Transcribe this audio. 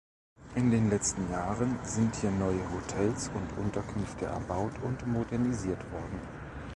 In den letzten Jahren sind hier neue Hotels und Unterkünfte erbaut und modernisiert worden.